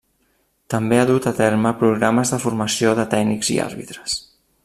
També ha dut a terme programes de formació de tècnics i àrbitres.